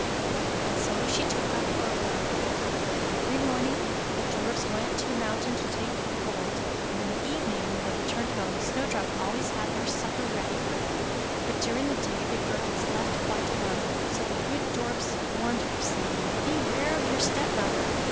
And so she took up her abode with them. Every morning the Dwarfs went into the mountain to dig for gold, and in the evening, when they returned home, Snowdrop always had their supper ready for them. But during the day the girl was left quite alone, so the good Dwarfs warned her, saying: 'Beware of your step mother.